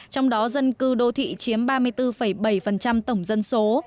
trong đó dân cư đô thị chiếm ba mươi bốn bảy tổng dân số